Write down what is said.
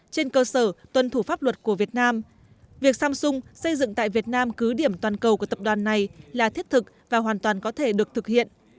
trên cơ sở tuân thủ pháp luật của việt nam việc samsung xây dựng tại việt nam cứ điểm toàn cầu của tập đoàn này là thiết thực và hoàn toàn có thể được thực hiện